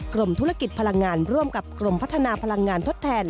กรมธุรกิจพลังงานร่วมกับกรมพัฒนาพลังงานทดแทน